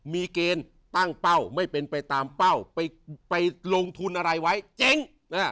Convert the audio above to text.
มีเกณฑ์ตั้งเป้าไม่เป็นไปตามเป้าไปลงทุนอะไรไว้เจ๊ง